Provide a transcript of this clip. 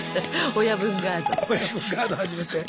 親分ガード始めて。